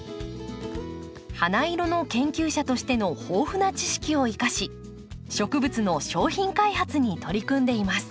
花色の研究者としての豊富な知識を生かし植物の商品開発に取り組んでいます。